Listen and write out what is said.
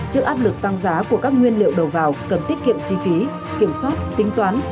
trước áp lực tăng giá của các nguyên liệu đầu vào cần tiết kiệm chi phí kiểm soát tính toán